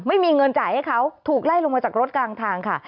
ไม่มีเงินจ่ายให้เขาถูกไล่ลงมาจากรถกลางทางค่ะ